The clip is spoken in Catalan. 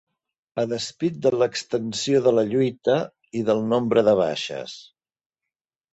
A despit de l'extensió de la lluita i del nombre de baixes